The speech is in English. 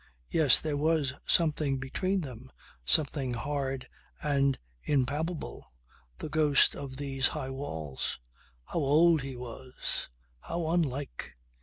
Yes, there was something between them, something hard and impalpable, the ghost of these high walls. How old he was, how unlike!